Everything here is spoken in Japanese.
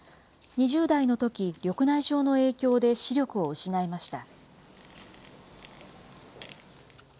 ２０代のとき、緑内障の影響で視力を失いました。